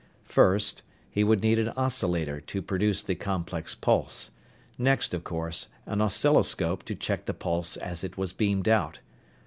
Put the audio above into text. First, he would need an oscillator to produce the complex pulse. Next, of course, an oscilloscope to check the pulse as it was beamed out.